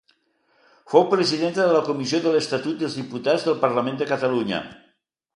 Fou presidenta de la Comissió de l'Estatut dels Diputats del Parlament de Catalunya.